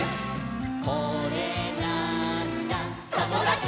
「これなーんだ『ともだち！』」